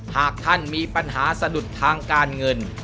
หากท่านมีปัญหาสะดุดทางการเงิน